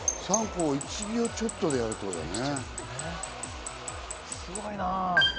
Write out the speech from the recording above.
３個を１秒ちょっとでやるってことだね。